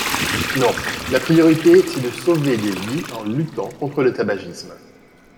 Non, la priorité, c’est de sauver des vies en luttant contre le tabagisme.